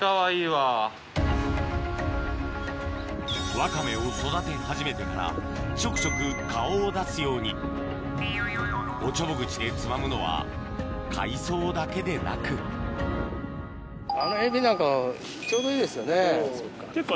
ワカメを育て始めてからちょくちょく顔を出すようにおちょぼ口でつまむのは海藻だけでなくあのエビなんかちょうどいいですよね。